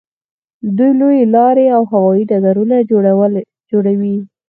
دوی لویې لارې او هوایي ډګرونه جوړوي.